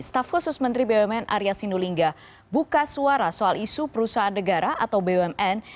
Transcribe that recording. staf khusus menteri bumn arya sinulinga buka suara soal isu perusahaan negara atau bumn